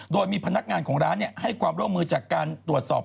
โดยมีพนักงานของร้านให้ความร่วมมือจากการตรวจสอบ